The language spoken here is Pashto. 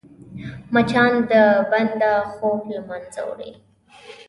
مچان د بنده خوب له منځه وړي